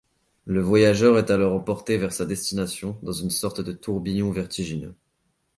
Le voyageur est alors emporté vers sa destination dans une sorte de tourbillon vertigineux.